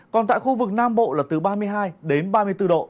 còn tại khu vực nam bộ là từ ba mươi hai ba mươi bốn độ